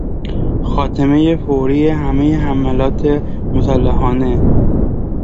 خاتمهی فوری همهی حملات مسلحانه